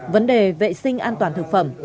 vấn đề vệ sinh an toàn thực phẩm